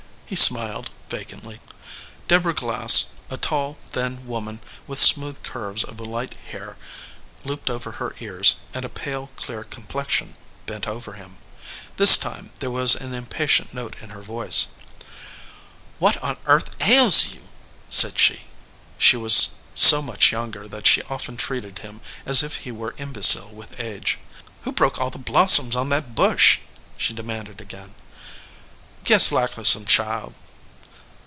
He smiled vacantly. Deborah Glass, a tall, thin woman with smooth curves of light hair looped over her ears, and a 119 EDGEWATER PEOPLE pale, clear complexion, bent over him. This time there was an impatient note in her voice. "What on earth ails you?" said she. She was so much younger that she often treated him as if he were imbecile with age. "Who broke all the blooms on that bush ?" she demanded again. "Guess likely some child."